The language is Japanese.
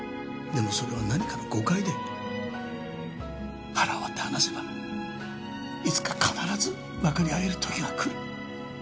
でもそれは何かの誤解で腹を割って話せばいつか必ずわかり合える時がくる。